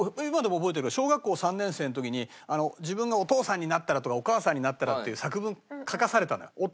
今でも覚えてるのは小学校３年生の時に自分がお父さんになったらとかお母さんになったらっていう作文書かされたのよ。